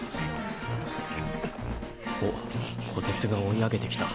おっこてつが追い上げてきた。